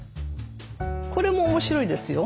これも面白いですよ。